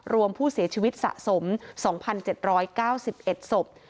รวมผู้เสียชีวิตสะสม๒๗๙๑ศพ